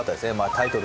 タイトル